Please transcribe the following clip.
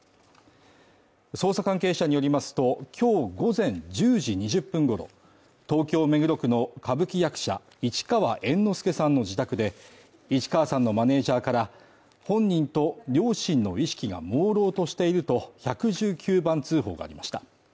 捜査関係者によりますと、今日午前１０時２０分ごろ、東京・目黒区の歌舞伎役者市川猿之助さんの自宅で市川さんのマネージャーから本人と両親の意識がもうろうとしていると１１９番通報がありました。